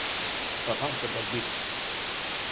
Aparta't del mig.